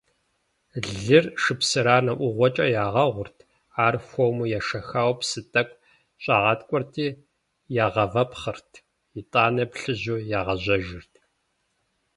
Лыр шыпсыранэ ӏугъуэкӏэ ягъэгъурт, ар хуэму ешэхауэ псы тӏэкӏу щӏагъаткӏуэрти ягъэвэпхъырт, итӏанэ плъыжьу ягъэжьэжырт.